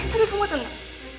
tapi kamu tenang